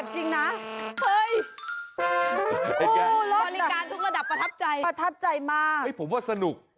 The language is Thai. บริการทุกระดับประทับใจประทับใจมากผมว่าสนุก